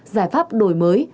giải pháp đổi mới